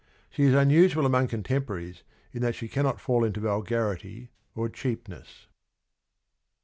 She is unusual among contemporaries in that she cannot fall into vulgarity or cheapness.